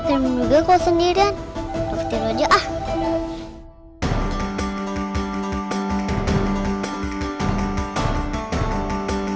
akhirnya mendingan kau sendirian